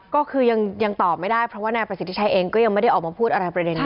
ก็คือยังตอบไม่ได้เพราะว่านายประสิทธิชัยเองก็ยังไม่ได้ออกมาพูดอะไรประเด็นนี้